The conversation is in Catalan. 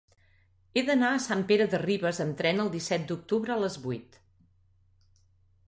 He d'anar a Sant Pere de Ribes amb tren el disset d'octubre a les vuit.